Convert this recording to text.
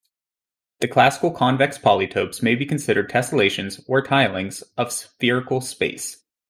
The classical convex polytopes may be considered tessellations, or tilings, of spherical space.